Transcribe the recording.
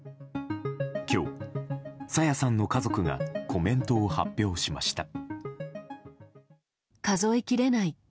今日、朝芽さんの家族がコメントを発表しました。